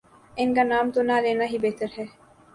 ان کا نام تو نہ لینا ہی بہتر ہے۔